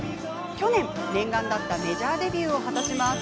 去年、念願だったメジャーデビューを果たします。